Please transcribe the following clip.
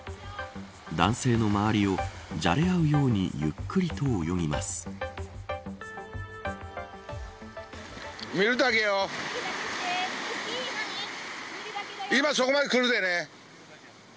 男性の周りをじゃれ合うようにゆっくりと泳ぎます。